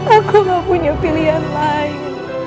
aku gak punya pilihan lain